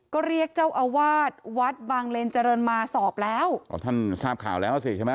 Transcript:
ก็เรียกเจ้าอาวาสวัดบางเลนเจริญมาสอบแล้วอ๋อท่านทราบข่าวแล้วอ่ะสิใช่ไหม